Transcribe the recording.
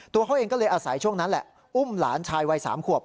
ตัวเขาเองก็เลยอาศัยช่วงนั้นแหละอุ้มหลานชายวัย๓ขวบ